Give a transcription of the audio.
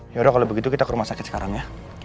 yaudah kalau begitu kita ke rumah sakit sekarang ya